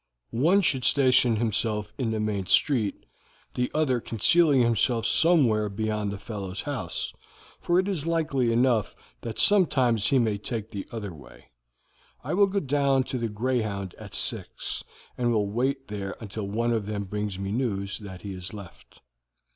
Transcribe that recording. One should station himself in the main street, the other concealing himself somewhere beyond the fellow's house, for it is likely enough that sometimes he may take the other way. I will go down to the Greyhound at six, and will wait there until one of them brings me news that he has left."